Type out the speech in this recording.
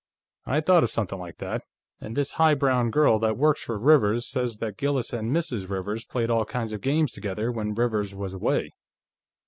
"I thought of something like that. And this high brown girl that works for Rivers says that Gillis and Mrs. Rivers played all kinds of games together, when Rivers was away."